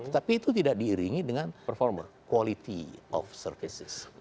tapi itu tidak diiringi dengan quality of services